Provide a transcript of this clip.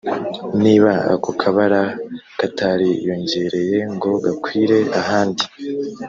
niba ako kabara katariyongereye ngo gakwire ahandi